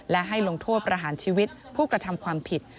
และให้ลงโทษประหารชีวิตผู้กระทำความผิด